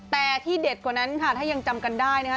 แต่ที่เด็ดกว่านั้นค่ะถ้ายังจำกันได้นะคะ